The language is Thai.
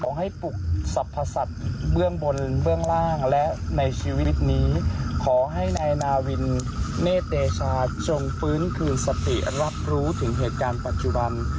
ขอให้ปลุกสรรพสัตว์เบื้องบนเบื้องล่างและในชีวิตนี้ขอให้นายนาวินเนธเดชาจงฟื้นคืนสติรับรู้ถึงเหตุการณ์ปัจจุบัน